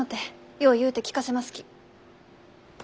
よう言うて聞かせますき。